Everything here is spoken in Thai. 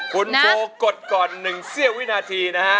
คุณโฟกดก่อน๑เสียวินาทีนะครับ